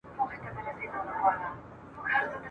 خان له زین او له کیزې سره را ستون سو !.